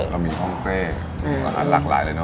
เรามีห้องเซอาหารหลากหลายเลยเน